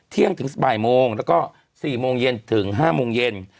เที่ยงถึงบ่ายโมงแล้วก็๔โมงเย็นถึง๕โมงเย็น